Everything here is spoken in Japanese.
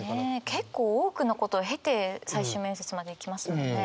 結構多くのことを経て最終面接までいきますもんね。